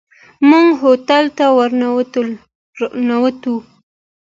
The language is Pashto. موږ هوټل ته ورننوتلو.